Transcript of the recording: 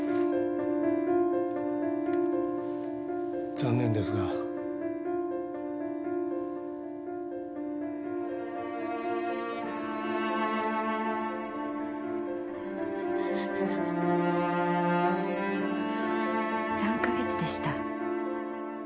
残念ですが３か月でした。